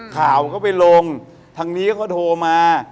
ข่าวเขาไปลงทางนี้เขาโทรมา